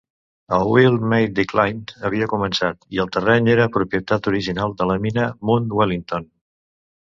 El Wheal Maid Decline havia començat i el terreny era propietat original de la mina Munt Wellington.